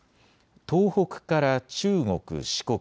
東北から中国、四国